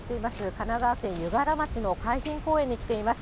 神奈川県湯河原町の海浜公園に来ています。